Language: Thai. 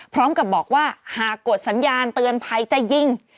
พร้อมกับบอกว่าหากกดสัญญาณเตือนภัยจะยิง